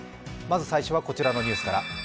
まず最初はこちらのニュースから。